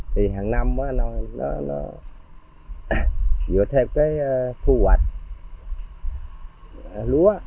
thì hàng năm vừa thêm thu hoạch lúa